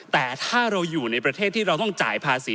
แต่ถ้าเราอยู่ในประเทศที่เราต้องจ่ายภาษี